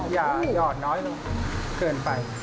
อย่าหยอดน้อยลงเกินไป